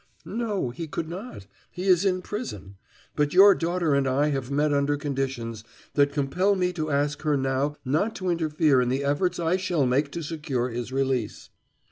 "No, he could not: he is in prison. But your daughter and I have met under conditions that compel me to ask her now not to interfere in the efforts I shall make to secure his release."